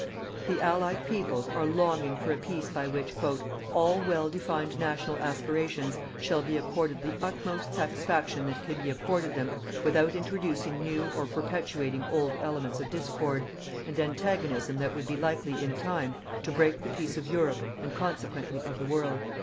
The Allied peoples are longing for a peace by which "_all well defined national aspirations shall be accorded the utmost satisfaction that can be accorded them without introducing new or perpetuating old elements of discord, and antagonism that would be likely in time to break the peace of Europe and consequently of the world_."